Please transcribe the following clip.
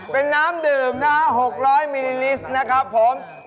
เป็นน้ำดื่มนะฮะ๖๐๐มิลลิลิสต์นะครับผม